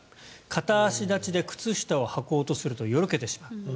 片足立ちで靴下をはこうとするとよろけてしまう。